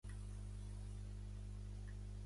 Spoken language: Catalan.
Cap va ser subministrat als marines.